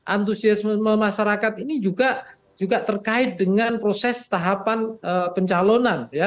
antusiasme masyarakat ini juga terkait dengan proses tahapan pencalonan